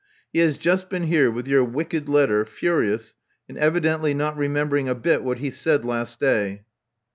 He has just been here with your wicked letter, furious, and evidently not remembering a bit what he said last day.